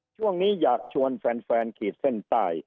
ช่วงนี้อยากชวนแฟนขีดเส้นใต้